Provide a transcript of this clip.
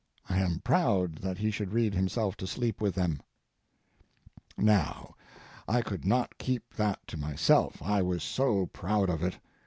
I am proud that he should read himself to sleep with them." Now, I could not keep that to myself—I was so proud of it.